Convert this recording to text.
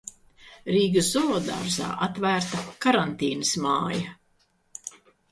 Rīgas zoodārzā atvērta karantīnas māja.